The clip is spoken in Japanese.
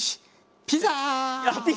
ピザ！やピザ！